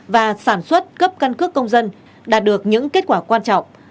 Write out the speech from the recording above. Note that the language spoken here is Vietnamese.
và sản xuất cấp căn cước công dân đạt được những kết quả quan trọng